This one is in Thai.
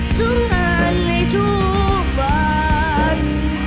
ทุกงานในทุกวัน